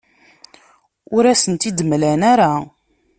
Ur as-tent-id-mlan ara.